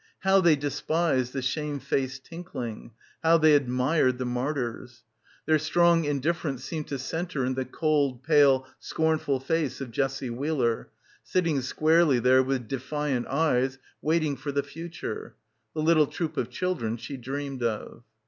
How they despised the shame faced tinkling; how they admired the martyrs. Their strong indifference seemed to centre in the cold pale scornful face of Jessie Wheeler, sitting squarely there with defiant eyes, waiting for the future; the little troop of children she dreamed of.